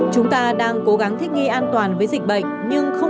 chúng ta đang cố gắng thích nghi an toàn với dịch bệnh